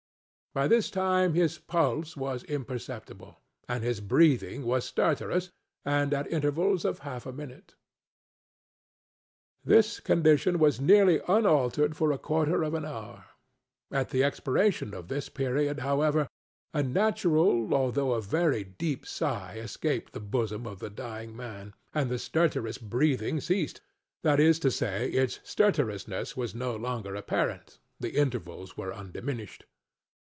By this time his pulse was imperceptible and his breathing was stertorous, and at intervals of half a minute. This condition was nearly unaltered for a quarter of an hour. At the expiration of this period, however, a natural although a very deep sigh escaped the bosom of the dying man, and the stertorous breathing ceasedŌĆöthat is to say, its stertorousness was no longer apparent; the intervals were undiminished.